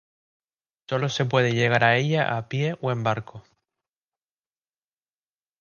Sólo se puede llegar a ella a pie o en barco.